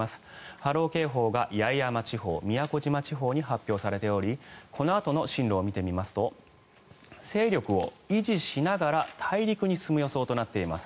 波浪警報が八重山地方宮古島地方に発表されておりこのあとの進路を見てみますと勢力を維持しながら大陸に進む予想となっています。